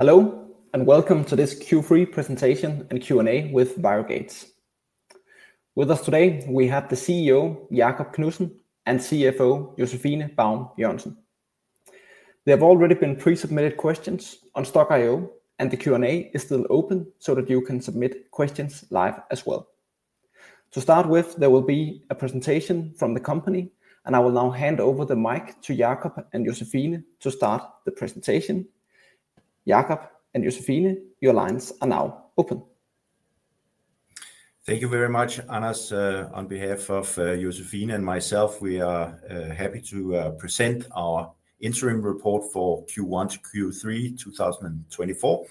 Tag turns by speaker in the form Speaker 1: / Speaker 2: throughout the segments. Speaker 1: Hello, and welcome to this Q3 presentation and Q&A with ViroGates. With us today, we have the CEO, Jakob Knudsen, and CFO, Josephine Baum Jørgensen. There have already been pre-submitted questions on Stokk.io, and the Q&A is still open so that you can submit questions live as well. To start with, there will be a presentation from the company, and I will now hand over the mic to Jakob and Josephine to start the presentation. Jakob and Josephine, your lines are now open.
Speaker 2: Thank you very much, Anders. On behalf of Josephine and myself, we are happy to present our interim report for Q1 to Q3 2024,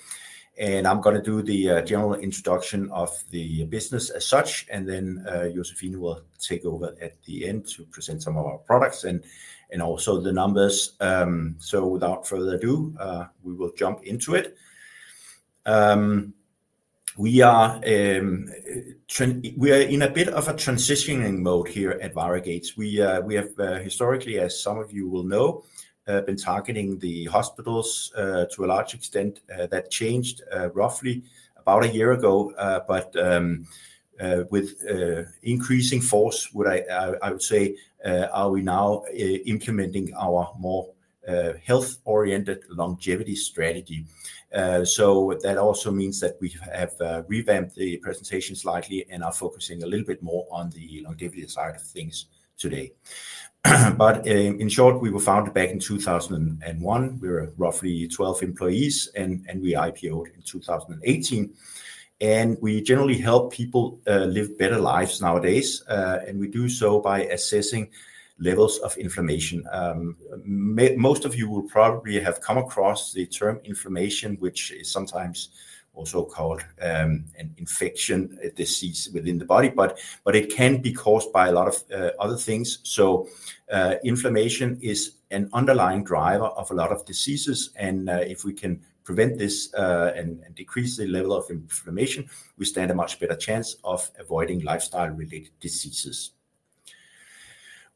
Speaker 2: and I'm going to do the general introduction of the business as such, and then Josephine will take over at the end to present some of our products and also the numbers, so without further ado, we will jump into it. We are in a bit of a transitioning mode here at ViroGates. We have historically, as some of you will know, been targeting the hospitals to a large extent. That changed roughly about a year ago, but with increasing force, I would say, are we now implementing our more health-oriented longevity strategy, so that also means that we have revamped the presentation slightly and are focusing a little bit more on the longevity side of things today. In short, we were founded back in 2001. We were roughly 12 employees, and we IPO'd in 2018. We generally help people live better lives nowadays, and we do so by assessing levels of inflammation. Most of you will probably have come across the term inflammation, which is sometimes also called an infection disease within the body, but it can be caused by a lot of other things. Inflammation is an underlying driver of a lot of diseases, and if we can prevent this and decrease the level of inflammation, we stand a much better chance of avoiding lifestyle-related diseases.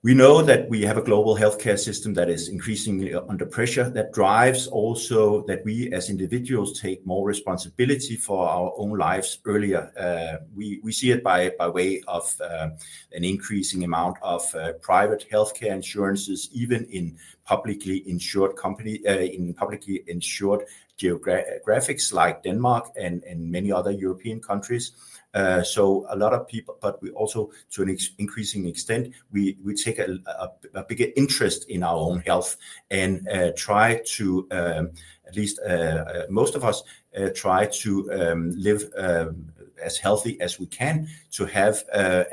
Speaker 2: We know that we have a global healthcare system that is increasingly under pressure. That drives also that we, as individuals, take more responsibility for our own lives earlier. We see it by way of an increasing amount of private healthcare insurances, even in publicly insured geographies like Denmark and many other European countries. So a lot of people, but we also, to an increasing extent, we take a bigger interest in our own health and try to, at least most of us, try to live as healthy as we can to have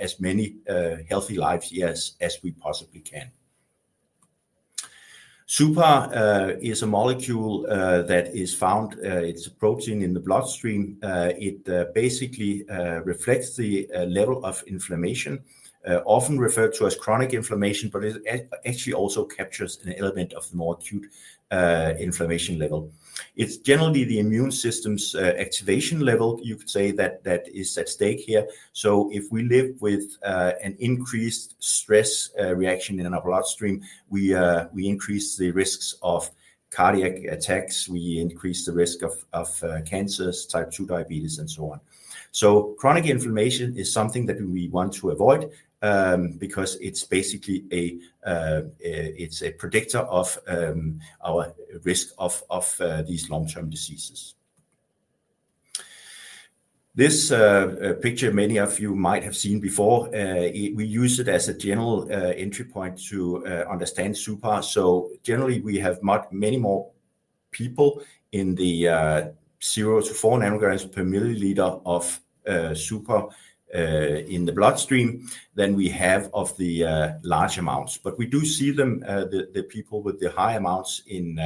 Speaker 2: as many healthy lives as we possibly can. suPAR is a molecule that is found. It's a protein in the bloodstream. It basically reflects the level of inflammation, often referred to as chronic inflammation, but it actually also captures an element of the more acute inflammation level. It's generally the immune system's activation level, you could say, that is at stake here. So if we live with an increased stress reaction in our bloodstream, we increase the risks of cardiac attacks. We increase the risk of cancers, type 2 diabetes, and so on. So chronic inflammation is something that we want to avoid because it's basically a predictor of our risk of these long-term diseases. This picture, many of you might have seen before. We use it as a general entry point to understand suPAR. So generally, we have many more people in the 0-4 ng/mL of suPAR in the bloodstream than we have of the large amounts. But we do see the people with the high amounts in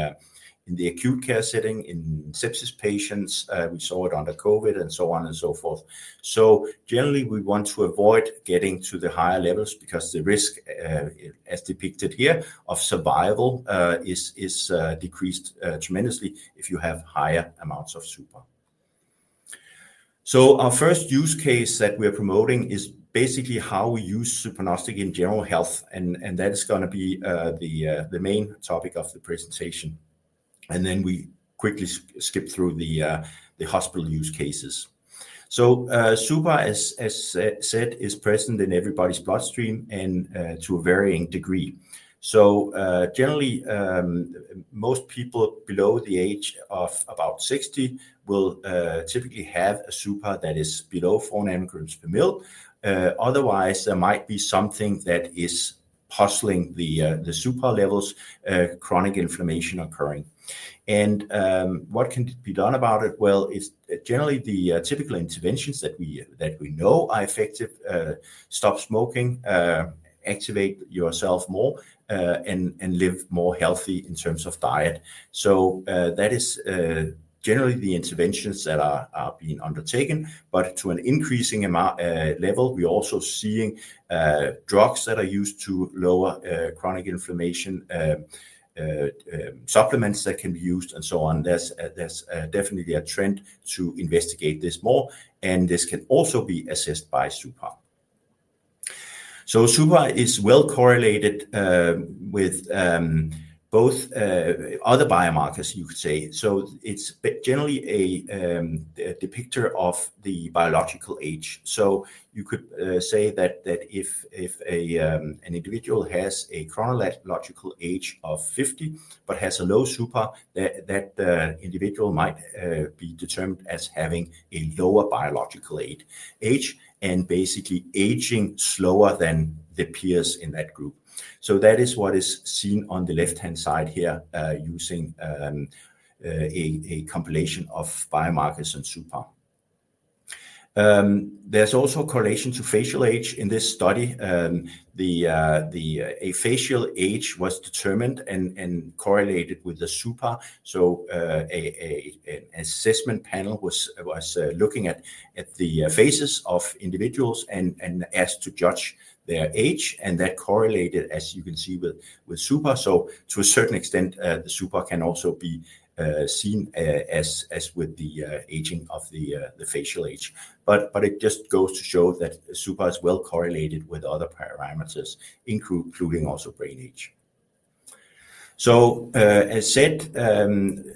Speaker 2: the acute care setting, in sepsis patients. We saw it under COVID and so on and so forth. So generally, we want to avoid getting to the higher levels because the risk, as depicted here, of survival is decreased tremendously if you have higher amounts of suPAR. Our first use case that we are promoting is basically how we use suPARnostic in general health, and that is going to be the main topic of the presentation. Then we quickly skip through the hospital use cases. suPAR, as said, is present in everybody's bloodstream and to a varying degree. Generally, most people below the age of about 60 will typically have a suPAR that is below 4 ng/mL. Otherwise, there might be something that is puzzling the suPAR levels, chronic inflammation occurring. What can be done about it? It's generally the typical interventions that we know are effective: stop smoking, activate yourself more, and live more healthy in terms of diet. That is generally the interventions that are being undertaken. But to an increasing level, we are also seeing drugs that are used to lower chronic inflammation, supplements that can be used, and so on. There's definitely a trend to investigate this more, and this can also be assessed by suPAR. So suPAR is well correlated with both other biomarkers, you could say. So it's generally a depictor of the biological age. So you could say that if an individual has a chronological age of 50 but has a low suPAR, that individual might be determined as having a lower biological age, and basically aging slower than the peers in that group. So that is what is seen on the left-hand side here using a compilation of biomarkers and suPAR. There's also a correlation to facial age in this study. The facial age was determined and correlated with the suPAR. An assessment panel was looking at the faces of individuals and asked to judge their age, and that correlated, as you can see, with suPAR. To a certain extent, the suPAR can also be seen as with the aging of the facial age. But it just goes to show that suPAR is well correlated with other parameters, including also brain age. As said,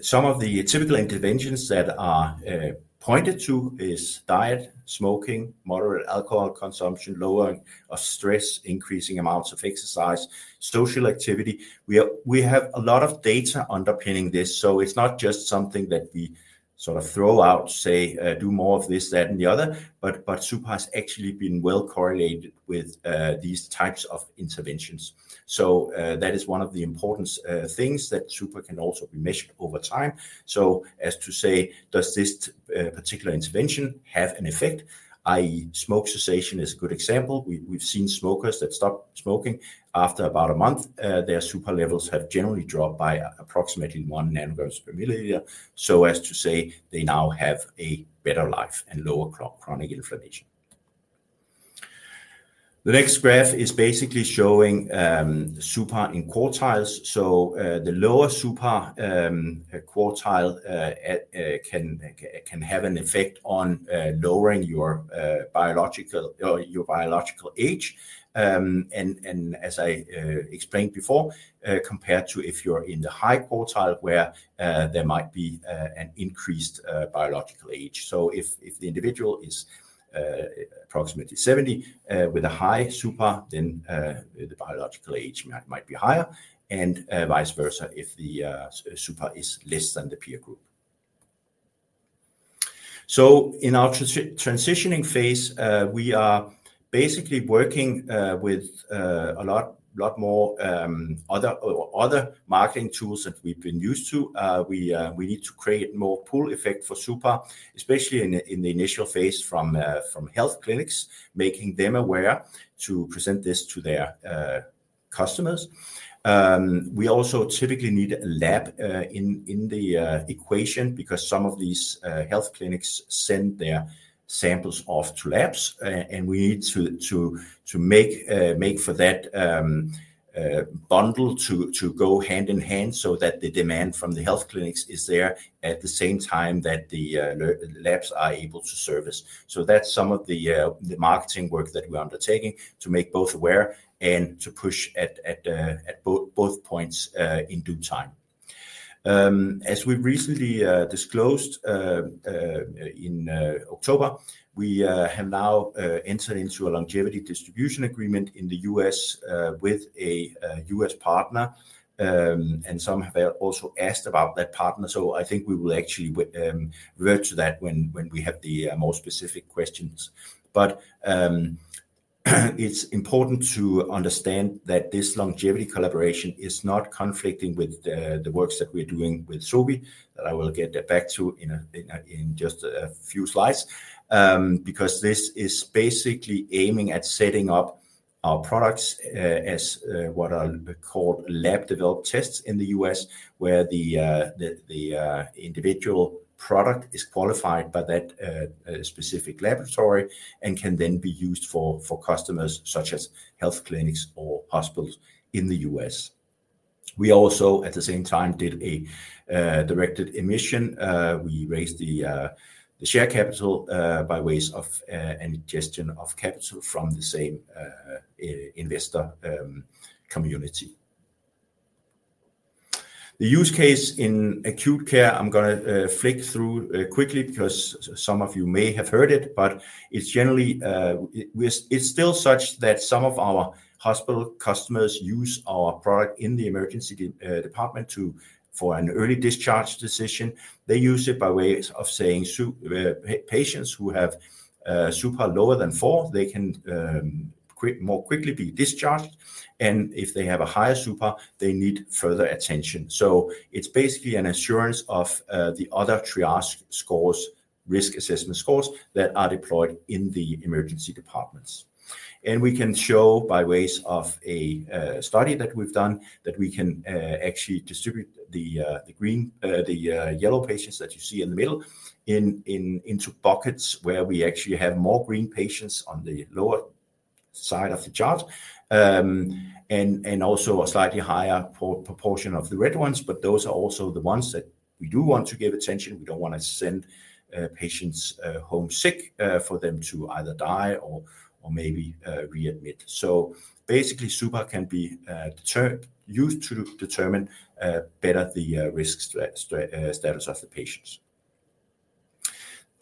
Speaker 2: some of the typical interventions that are pointed to are diet, smoking, moderate alcohol consumption, lower stress, increasing amounts of exercise, social activity. We have a lot of data underpinning this. It's not just something that we sort of throw out, say, do more of this, that, and the other, but suPAR has actually been well correlated with these types of interventions. That is one of the important things that suPAR can also be measured over time. So as to say, does this particular intervention have an effect? I.e., smoking cessation is a good example. We've seen smokers that stop smoking. After about a month, their suPAR levels have generally dropped by approximately 1 ng/mL. So as to say, they now have a better life and lower chronic inflammation. The next graph is basically showing suPAR in quartiles. So the lower suPAR quartile can have an effect on lowering your biological age. And as I explained before, compared to if you're in the high quartile, where there might be an increased biological age. So if the individual is approximately 70 with a high suPAR, then the biological age might be higher, and vice versa if the suPAR is less than the peer group. So in our transitioning phase, we are basically working with a lot more other marketing tools that we've been used to. We need to create more pull effect for suPAR, especially in the initial phase from health clinics, making them aware to present this to their customers. We also typically need a lab in the equation because some of these health clinics send their samples off to labs, and we need to make for that bundle to go hand-in-hand so that the demand from the health clinics is there at the same time that the labs are able to service. So that's some of the marketing work that we're undertaking to make both aware and to push at both points in due time. As we recently disclosed in October, we have now entered into a longevity distribution agreement in the U.S. with a U.S. partner, and some have also asked about that partner. So I think we will actually revert to that when we have the more specific questions. But it's important to understand that this longevity collaboration is not conflicting with the works that we're doing with Sobi, that I will get back to in just a few slides, because this is basically aiming at setting up our products as what are called lab-developed tests in the U.S., where the individual product is qualified by that specific laboratory and can then be used for customers such as health clinics or hospitals in the U.S. We also, at the same time, did a directed issue. We raised the share capital by ways of injection of capital from the same investor community. The use case in acute care, I'm going to flick through quickly because some of you may have heard it, but it's generally still such that some of our hospital customers use our product in the emergency department for an early discharge decision. They use it by way of saying patients who have suPAR lower than 4, they can more quickly be discharged, and if they have a higher suPAR, they need further attention. So it's basically an assurance of the other triage scores, risk assessment scores that are deployed in the emergency departments. And we can show by ways of a study that we've done that we can actually distribute the yellow patients that you see in the middle into buckets where we actually have more green patients on the lower side of the chart, and also a slightly higher proportion of the red ones. But those are also the ones that we do want to give attention. We don't want to send patients home sick for them to either die or maybe readmit. So basically, suPAR can be used to determine better the risk status of the patients.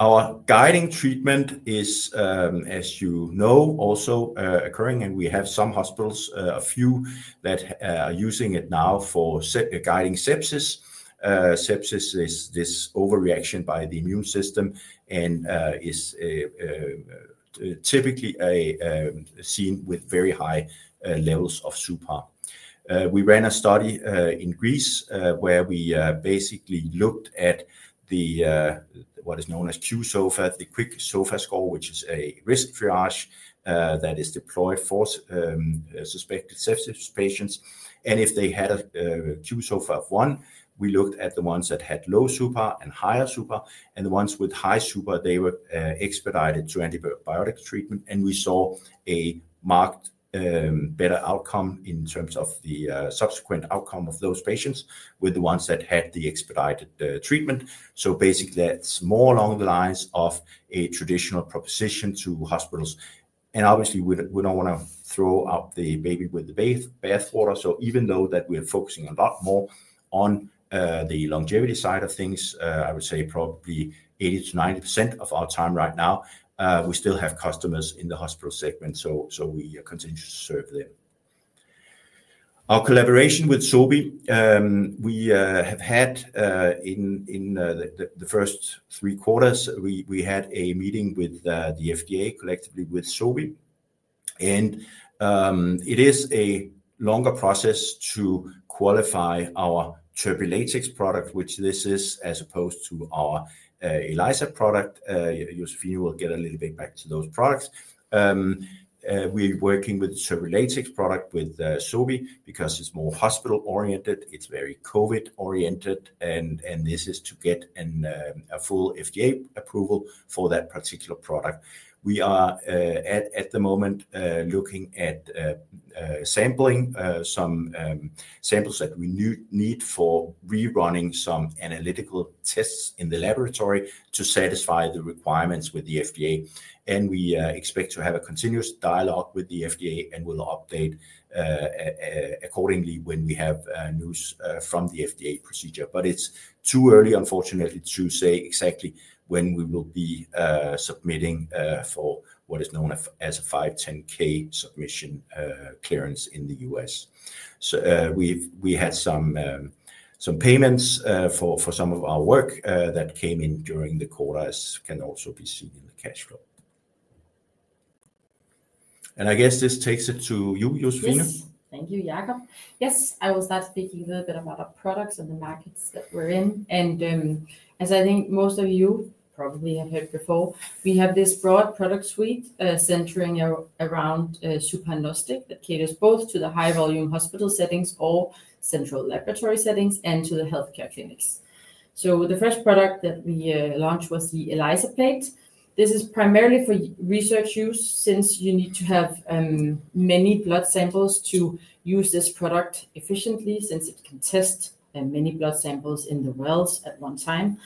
Speaker 2: Our guiding treatment is, as you know, also occurring, and we have some hospitals, a few, that are using it now for guiding sepsis. Sepsis is this overreaction by the immune system and is typically seen with very high levels of suPAR. We ran a study in Greece where we basically looked at what is known as qSOFA, the quick SOFA score, which is a risk triage that is deployed for suspected sepsis patients, and if they had a qSOFA of one, we looked at the ones that had low suPAR and higher suPAR, and the ones with high suPAR, they were expedited to antibiotic treatment, and we saw a marked better outcome in terms of the subsequent outcome of those patients with the ones that had the expedited treatment, so basically, that's more along the lines of a traditional proposition to hospitals. Obviously, we don't want to throw out the baby with the bathwater. So even though that we are focusing a lot more on the longevity side of things, I would say probably 80%-90% of our time right now, we still have customers in the hospital segment. So we are continuing to serve them. Our collaboration with Sobi, we have had in the first three quarters, we had a meeting with the FDA collectively with Sobi. And it is a longer process to qualify our TurbiLatex product, which this is, as opposed to our ELISA product. Josephine will get a little bit back to those products. We're working with the TurbiLatex product with Sobi because it's more hospital-oriented. It's very COVID-oriented, and this is to get a full FDA approval for that particular product. We are at the moment looking at sampling some samples that we need for rerunning some analytical tests in the laboratory to satisfy the requirements with the FDA. And we expect to have a continuous dialogue with the FDA and will update accordingly when we have news from the FDA procedure. But it's too early, unfortunately, to say exactly when we will be submitting for what is known as a 510(k) submission clearance in the U.S. So we had some payments for some of our work that came in during the quarter, as can also be seen in the cash flow. And I guess this takes it to you, Josephine.
Speaker 3: Yes. Thank you, Jakob. Yes, I will start speaking a little bit about our products and the markets that we're in. And as I think most of you probably have heard before, we have this broad product suite centering around suPARnostic that caters both to the high-volume hospital settings or central laboratory settings and to the healthcare clinics. So the first product that we launched was the ELISA Plate. This is primarily for research use since you need to have many blood samples to use this product efficiently since it can test many blood samples in the wells at one time.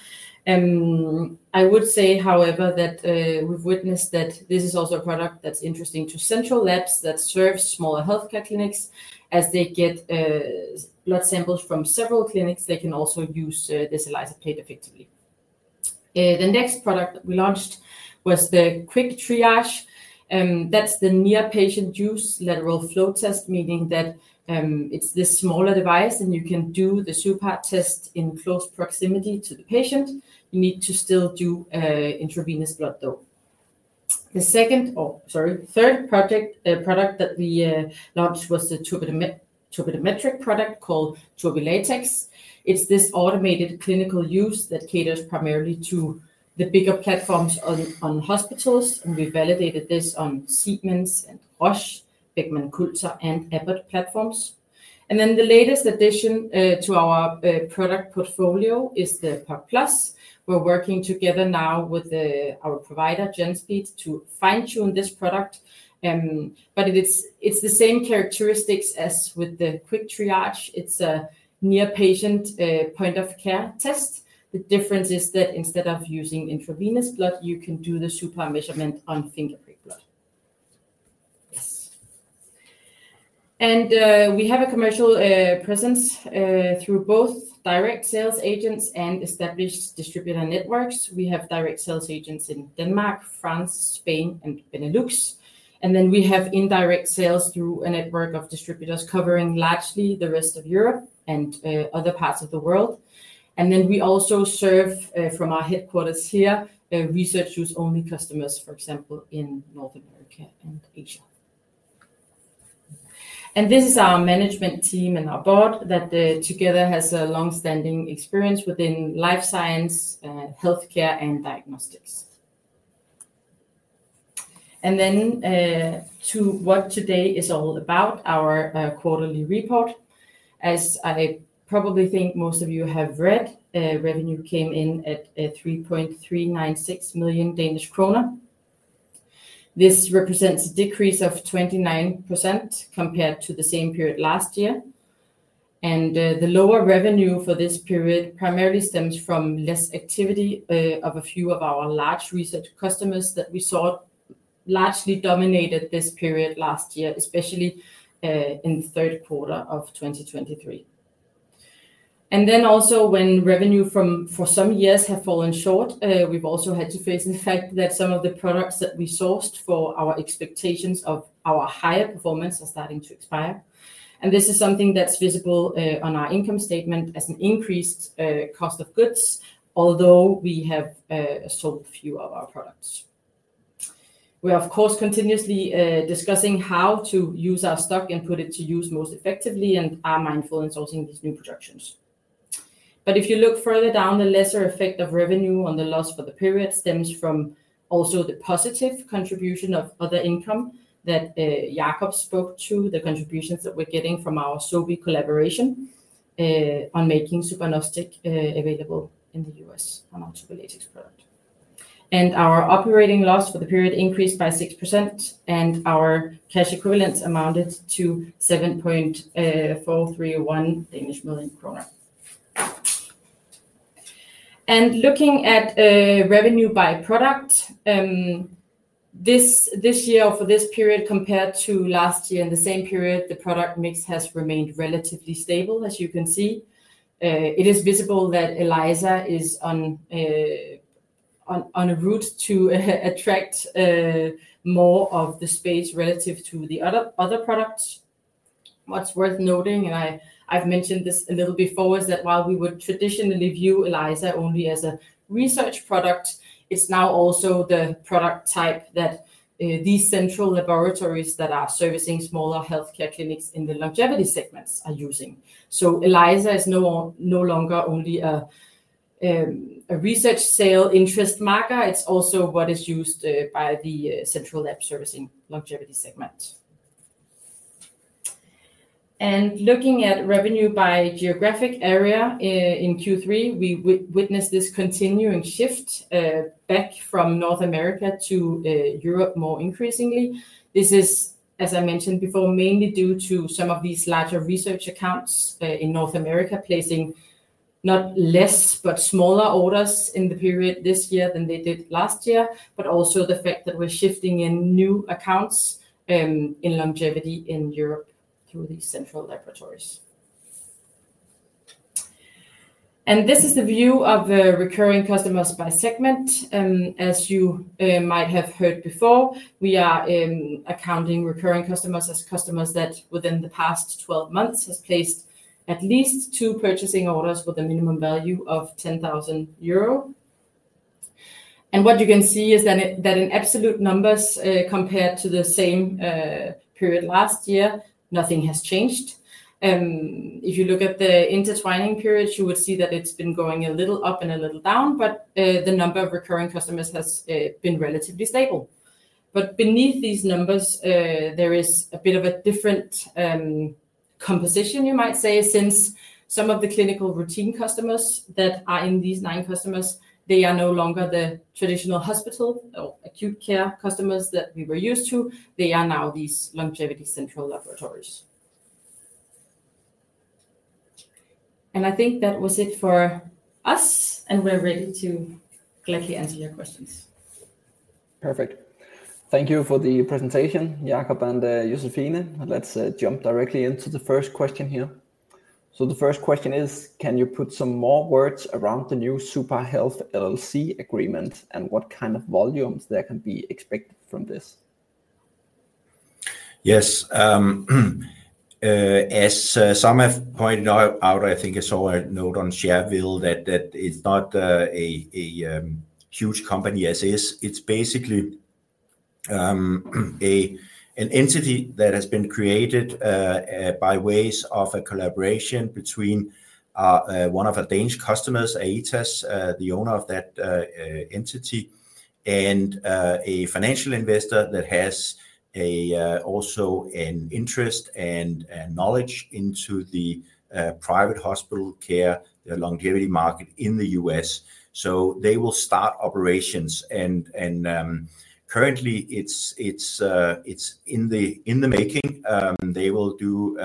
Speaker 3: I would say, however, that we've witnessed that this is also a product that's interesting to central labs that serve smaller healthcare clinics. As they get blood samples from several clinics, they can also use this ELISA Plate effectively. The next product that we launched was the Quick Triage. That's the near-patient use lateral flow test, meaning that it's this smaller device, and you can do the suPAR test in close proximity to the patient. You need to still do intravenous blood, though. The second, or sorry, third product that we launched was the Turbidometric product called TurbiLatex. It's this automated clinical use that caters primarily to the bigger platforms on hospitals. And we validated this on Siemens and Roche, Beckman Coulter, and Abbott platforms. And then the latest addition to our product portfolio is the POC+. We're working together now with our provider, Genspeed, to fine-tune this product. But it's the same characteristics as with the Quick Triage. It's a near-patient point-of-care test. The difference is that instead of using intravenous blood, you can do the suPAR measurement on fingerprint blood. And we have a commercial presence through both direct sales agents and established distributor networks. We have direct sales agents in Denmark, France, Spain, and Benelux. And then we have indirect sales through a network of distributors covering largely the rest of Europe and other parts of the world. And then we also serve from our headquarters here research-use-only customers, for example, in North America and Asia. And this is our management team and our board that together has a long-standing experience within life science, healthcare, and diagnostics. And then to what today is all about, our quarterly report. As I probably think most of you have read, revenue came in at 3.396 million Danish kroner. This represents a decrease of 29% compared to the same period last year. And the lower revenue for this period primarily stems from less activity of a few of our large research customers that sort of largely dominated this period last year, especially in the 3rd quarter of 2023. Then also when revenue from for some years have fallen short, we've also had to face the fact that some of the products that we sourced for our expectations of our higher performance are starting to expire. And this is something that's visible on our income statement as an increased cost of goods, although we have sold fewer of our products. We are, of course, continuously discussing how to use our stock and put it to use most effectively and are mindful in sourcing these new productions. But if you look further down, the lesser effect of revenue on the loss for the period stems from also the positive contribution of other income that Jakob spoke to, the contributions that we're getting from our Sobi collaboration on making suPARnostic available in the U.S. on our TurbiLatex product. Our operating loss for the period increased by 6%, and our cash equivalent amounted to 7.431 million kroner. Looking at revenue by product, this year or for this period compared to last year in the same period, the product mix has remained relatively stable, as you can see. It is visible that ELISA is on a route to attract more of the space relative to the other products. What's worth noting, and I've mentioned this a little before, is that while we would traditionally view ELISA only as a research product, it's now also the product type that these central laboratories that are servicing smaller healthcare clinics in the longevity segments are using. So ELISA is no longer only a research sale interest marker. It's also what is used by the central lab servicing longevity segment. Looking at revenue by geographic area in Q3, we witnessed this continuing shift back from North America to Europe more increasingly. This is, as I mentioned before, mainly due to some of these larger research accounts in North America placing not less but smaller orders in the period this year than they did last year, but also the fact that we're shifting in new accounts in longevity in Europe through these central laboratories. This is the view of recurring customers by segment. As you might have heard before, we are accounting recurring customers as customers that within the past 12 months have placed at least two purchasing orders with a minimum value of 10,000 euro. What you can see is that in absolute numbers compared to the same period last year, nothing has changed. If you look at the intertwining periods, you would see that it's been going a little up and a little down, but the number of recurring customers has been relatively stable. But beneath these numbers, there is a bit of a different composition, you might say, since some of the clinical routine customers that are in these nine customers, they are no longer the traditional hospital or acute care customers that we were used to. They are now these longevity central laboratories. And I think that was it for us, and we're ready to gladly answer your questions.
Speaker 1: Perfect. Thank you for the presentation, Jakob and Josephine. Let's jump directly into the first question here. So the first question is, can you put some more words around the new suPAR Health LLC agreement and what kind of volumes there can be expected from this?
Speaker 2: Yes. As some have pointed out, I think I saw a note on Shareville that it's not a huge company as is. It's basically an entity that has been created by ways of a collaboration between one of our Danish customers, Aetas, the owner of that entity, and a financial investor that has also an interest and knowledge into the private hospital care, the longevity market in the U.S. So they will start operations. And currently, it's in the making. They will do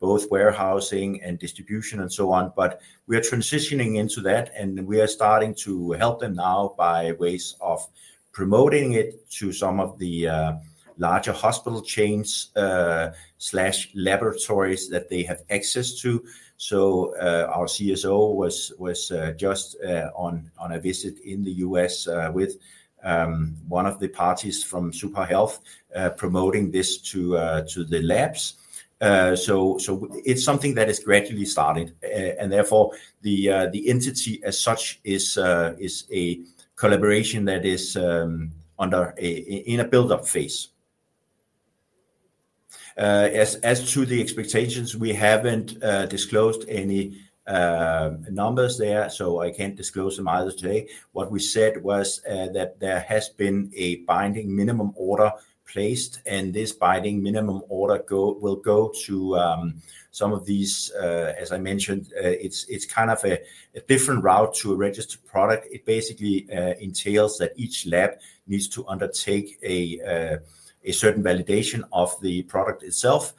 Speaker 2: both warehousing and distribution and so on. But we are transitioning into that, and we are starting to help them now by ways of promoting it to some of the larger hospital chains/laboratories that they have access to. So our CSO was just on a visit in the U.S. with one of the parties from suPAR Health promoting this to the labs. It's something that is gradually started. And therefore, the entity as such is a collaboration that is in a build-up phase. As to the expectations, we haven't disclosed any numbers there, so I can't disclose them either today. What we said was that there has been a binding minimum order placed, and this binding minimum order will go to some of these, as I mentioned. It's kind of a different route to a registered product. It basically entails that each lab needs to undertake a certain validation of the product itself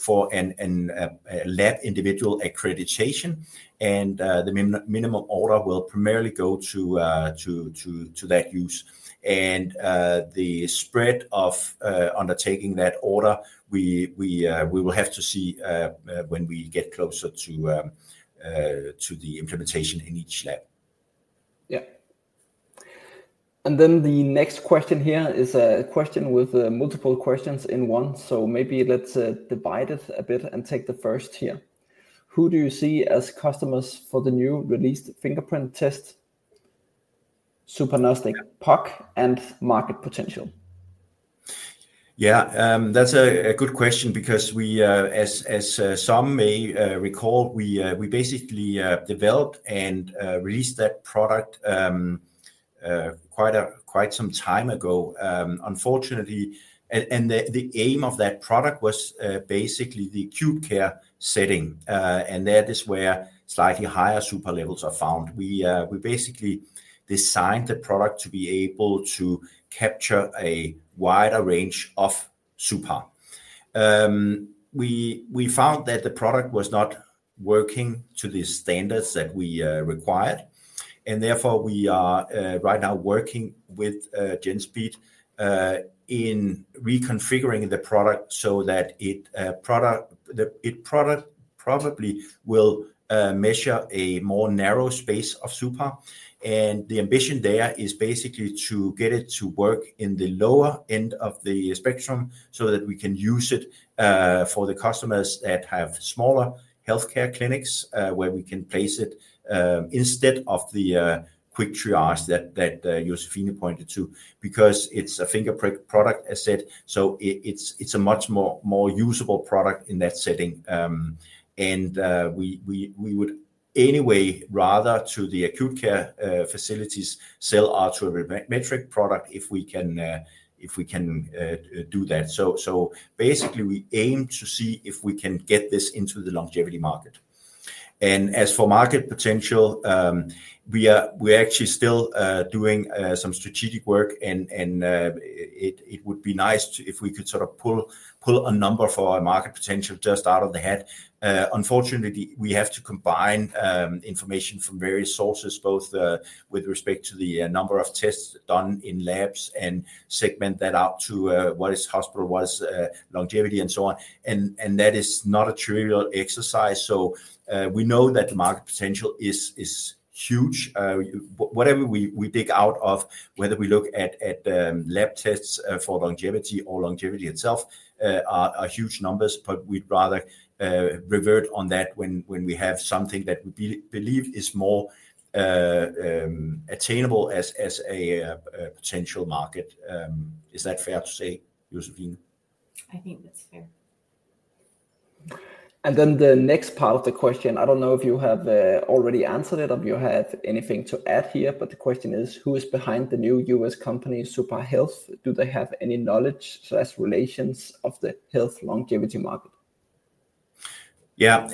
Speaker 2: for a lab individual accreditation. And the minimum order will primarily go to that use. And the spread of undertaking that order, we will have to see when we get closer to the implementation in each lab.
Speaker 1: Yeah. And then the next question here is a question with multiple questions in one. So maybe let's divide it a bit and take the first here. Who do you see as customers for the new released fingerprint test? suPARnostic POC+, and market potential.
Speaker 2: Yeah, that's a good question because, as some may recall, we basically developed and released that product quite some time ago. Unfortunately, and the aim of that product was basically the acute care setting. And that is where slightly higher suPAR levels are found. We basically designed the product to be able to capture a wider range of suPAR. We found that the product was not working to the standards that we required. And therefore, we are right now working with Genspeed in reconfiguring the product so that it probably will measure a more narrow space of suPAR. The ambition there is basically to get it to work in the lower end of the spectrum so that we can use it for the customers that have smaller healthcare clinics where we can place it instead of the Quick Triage that Josephine pointed to because it's a fingerprint product, as said. So it's a much more usable product in that setting. And we would anyway rather to the acute care facilities sell our Turbidometric product if we can do that. So basically, we aim to see if we can get this into the longevity market. And as for market potential, we are actually still doing some strategic work. And it would be nice if we could sort of pull a number for our market potential just out of the hat. Unfortunately, we have to combine information from various sources, both with respect to the number of tests done in labs and segment that out to what is hospital-wise longevity and so on. And that is not a trivial exercise. So we know that the market potential is huge. Whatever we dig out of, whether we look at lab tests for longevity or longevity itself, are huge numbers, but we'd rather revert on that when we have something that we believe is more attainable as a potential market. Is that fair to say, Josephine?
Speaker 3: I think that's fair.
Speaker 1: And then the next part of the question, I don't know if you have already answered it or if you have anything to add here, but the question is, who is behind the new U.S. company suPAR Health? Do they have any knowledge/relations of the health longevity market?
Speaker 2: Yeah,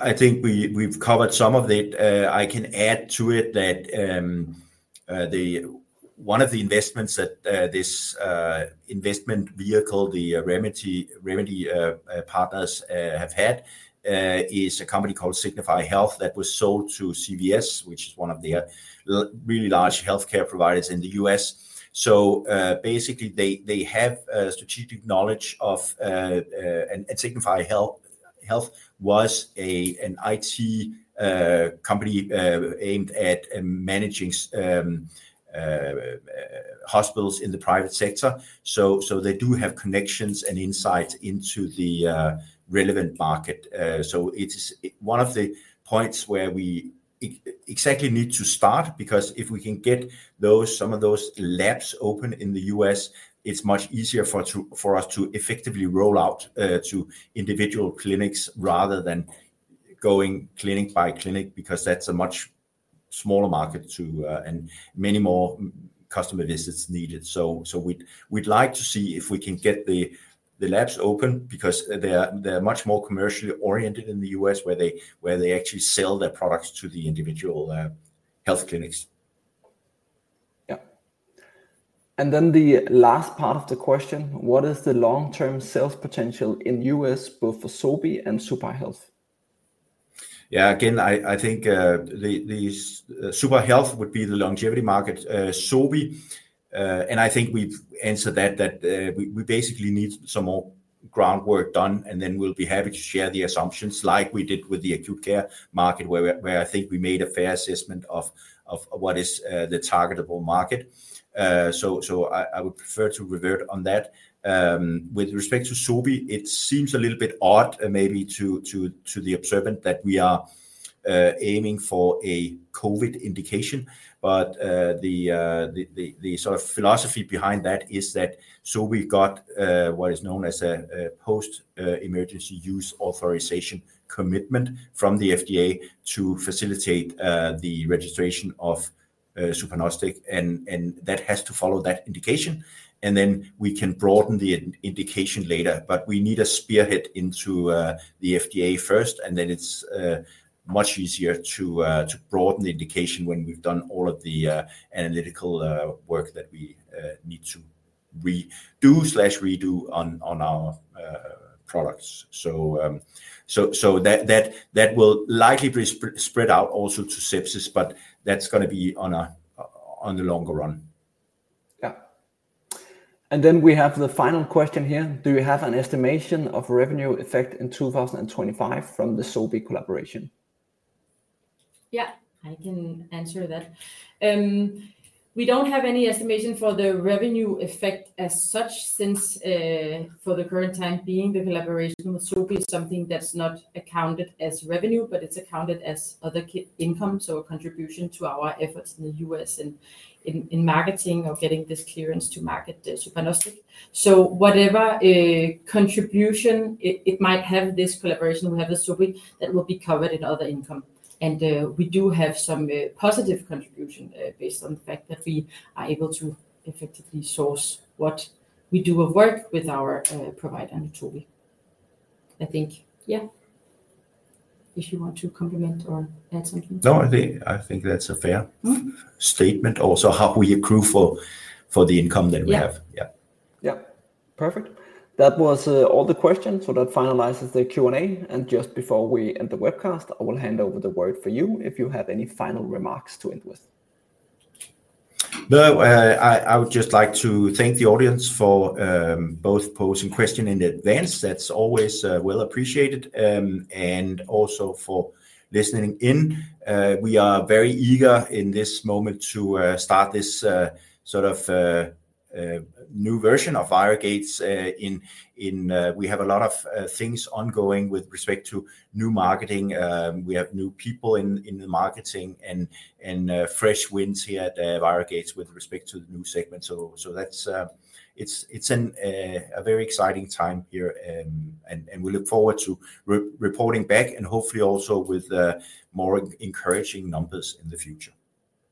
Speaker 2: I think we've covered some of it. I can add to it that one of the investments that this investment vehicle, the Remedy Partners have had, is a company called Signify Health that was sold to CVS, which is one of their really large healthcare providers in the U.S. So basically, they have strategic knowledge of, and Signify Health was an IT company aimed at managing hospitals in the private sector. So they do have connections and insights into the relevant market. So it's one of the points where we exactly need to start because if we can get some of those labs open in the U.S., it's much easier for us to effectively roll out to individual clinics rather than going clinic by clinic because that's a much smaller market and many more customer visits needed. So we'd like to see if we can get the labs open because they're much more commercially oriented in the U.S. where they actually sell their products to the individual health clinics.
Speaker 1: Yeah, and then the last part of the question, what is the long-term sales potential in the U.S. both for Sobi and suPAR Health?
Speaker 2: Yeah, again, I think suPAR Health would be the longevity market. Sobi, and I think we've answered that, that we basically need some more groundwork done, and then we'll be happy to share the assumptions like we did with the acute care market where I think we made a fair assessment of what is the targetable market, so I would prefer to revert on that. With respect to Sobi, it seems a little bit odd maybe to the observant that we are aiming for a COVID indication, but the sort of philosophy behind that is that Sobi got what is known as a post-emergency use authorization commitment from the FDA to facilitate the registration of suPARnostic, and that has to follow that indication. And then we can broaden the indication later, but we need a spearhead into the FDA first, and then it's much easier to broaden the indication when we've done all of the analytical work that we need to redo on our products. So that will likely spread out also to sepsis, but that's going to be on the longer run.
Speaker 1: Yeah. And then we have the final question here. Do you have an estimation of revenue effect in 2025 from the Sobi collaboration?
Speaker 3: Yeah, I can answer that. We don't have any estimation for the revenue effect as such since for the current time being, the collaboration with Sobi is something that's not accounted as revenue, but it's accounted as other income, so a contribution to our efforts in the U.S. and in marketing or getting this clearance to market suPARnostic. So whatever contribution it might have this collaboration will have with Sobi, that will be covered in other income. And we do have some positive contribution based on the fact that we are able to effectively source what we do of work with our provider in Sobi. I think, yeah, if you want to complement or add something.
Speaker 2: No, I think that's a fair statement also how we accrue for the income that we have. Yeah.
Speaker 1: Yeah. Perfect. That was all the questions. So that finalizes the Q&A. Just before we end the webcast, I will hand over the word for you if you have any final remarks to end with.
Speaker 2: No, I would just like to thank the audience for both posing questions in advance. That's always well appreciated. Also for listening in. We are very eager in this moment to start this sort of new version of ViroGates. We have a lot of things ongoing with respect to new marketing. We have new people in marketing and fresh winds here at ViroGates with respect to the new segment. So it's a very exciting time here, and we look forward to reporting back and hopefully also with more encouraging numbers in the future.